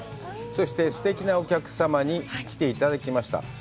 そしてすてきなお客様に来ていただきました。